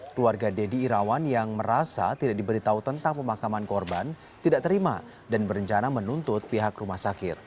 keluarga deddy irawan yang merasa tidak diberitahu tentang pemakaman korban tidak terima dan berencana menuntut pihak rumah sakit